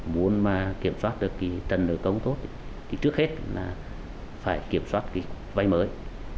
muốn mà kiểm soát được cái trần nợ công tốt thì trước hết phải kiểm soát cái vay mới